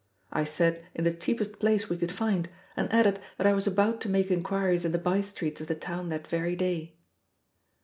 I said in the cheapest place we could find, and added that I was about to make inquiries in the by streets of the town that very day.